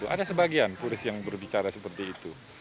ada sebagian turis yang berbicara seperti itu